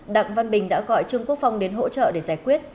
đặng văn bình đã gọi trương quốc phong đến hỗ trợ để giải quyết